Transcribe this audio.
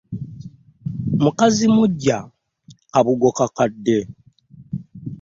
Mukazzi muggya kabugo kakadde .